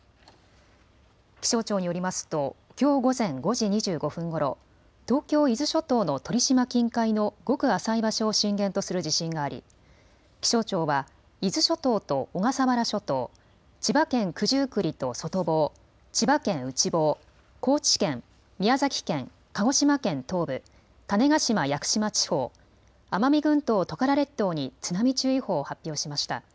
気象庁によりますときょう午前５時２５分ごろ、東京伊豆諸島の鳥島近海のごく浅い場所を震源とする地震があり気象庁は伊豆諸島と小笠原諸島、千葉県九十九里と外房、千葉県内房、高知県、宮崎県、鹿児島県東部、種子島・屋久島地方、奄美群島・トカラ列島に津波注意報を発表しました。